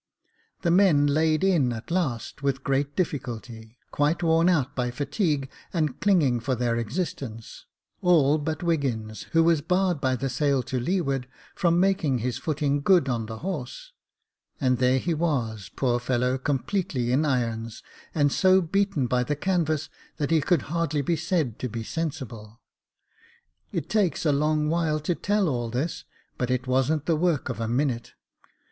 The men laid in at last with great difficulty, quite worn out by fatigue and clinging for their existence j all but Wiggins, who was barred by the sail to leeward from making his footing good on the horse ; and there he was, poor fellow, completely in irons, and so beaten by the canvas that he could hardly be said to be sensible. It takes a long while to tell all this, but it wasn't the work of a minute.